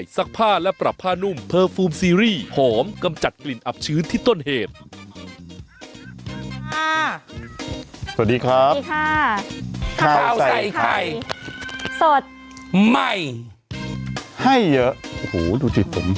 สวัสดีครับสวัสดีค่ะข้าวใส่ไข่สดใหม่ให้เยอะโอ้โหดูสิผม